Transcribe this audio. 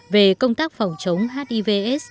về công tác phòng chống hiv s